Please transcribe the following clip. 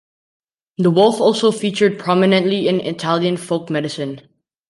The wolf also featured prominently in Italian folk medicine.